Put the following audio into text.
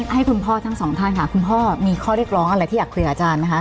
ให้คุณพ่อทั้งสองท่านค่ะคุณพ่อมีข้อเรียกร้องอะไรที่อยากคุยกับอาจารย์ไหมคะ